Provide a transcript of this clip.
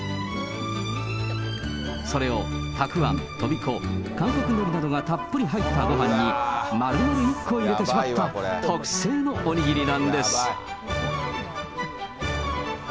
それをたくあん、とびこ、韓国のりなどがたっぷり入ったごはんに、丸々１個入れてしまった特製のおにぎりなんです。